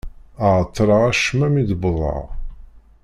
Ԑeṭṭleɣ acemma mi d-wwḍeɣ...